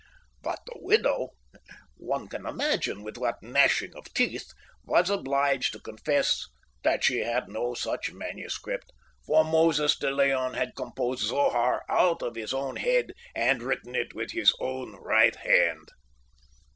But the widow (one can imagine with what gnashing of teeth) was obliged to confess that she had no such manuscript, for Moses de Leon had composed Zohar out of his own head, and written it with his own right hand."